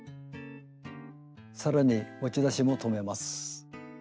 更に持ち出しも留めます。